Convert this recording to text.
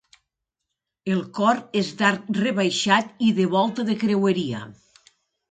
El cor és d'arc rebaixat i de volta de creueria.